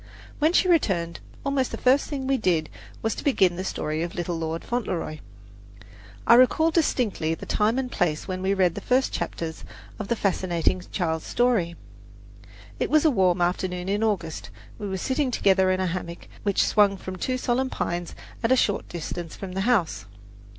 When she returned almost the first thing we did was to begin the story of "Little Lord Fauntleroy." I recall distinctly the time and place when we read the first chapters of the fascinating child's story. It was a warm afternoon in August. We were sitting together in a hammock which swung from two solemn pines at a short distance from the house.